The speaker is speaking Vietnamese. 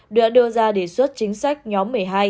đã đưa ra đề xuất chính sách nhóm một mươi hai